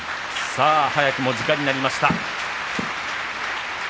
早くも時間になりました。